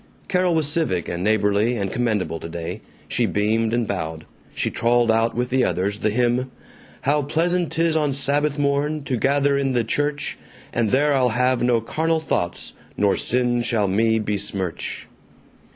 Carol was civic and neighborly and commendable today. She beamed and bowed. She trolled out with the others the hymn: How pleasant 'tis on Sabbath morn To gather in the church And there I'll have no carnal thoughts, Nor sin shall me besmirch.